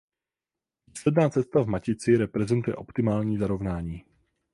Výsledná cesta v matici reprezentuje optimální zarovnání.